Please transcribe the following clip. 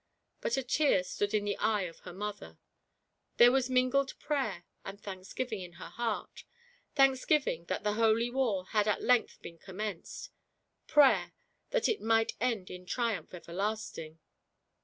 But a tear stood in the eye of her mother ; there was mingled prayer and thanksgiving in her heart : thanki^ving — that the Holy War had at length been commeaced ; prayer —that it might end in triumph everlasting